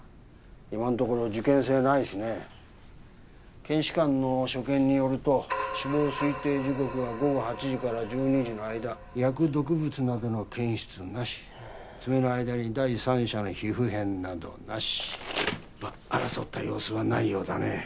今んところ事件性ないしね検視官の所見によると死亡推定時刻は午後８時から１２時の間薬毒物などの検出なし爪の間に第三者の皮膚片などなしまっ争った様子はないようだね